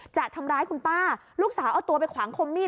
จะทำร้ายคุณป้าลูกสาวเอาตัวไปขวางคมมีด